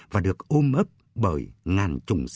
và được ôm lặng